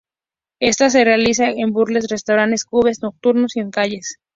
Esta se realiza en burdeles, restaurantes, clubes nocturnos y en las calles.